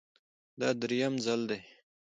دا درېیم ځل دی